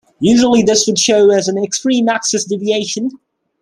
Usually this would show as an extreme axis deviation.